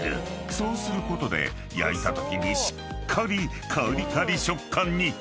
［そうすることで焼いたときにしっかりカリカリ食感に］